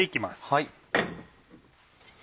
はい。